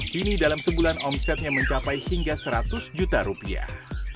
kini dalam sebulan omsetnya mencapai hingga seratus juta rupiah